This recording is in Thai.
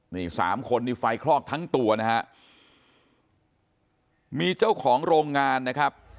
นี่สามคนนี่ไฟคลอกทั้งตัวนะฮะมีเจ้าของโรงงานนะครับ